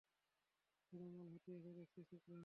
বড়ো মাল হাতিয়েছো দেখছি, ছোকরা।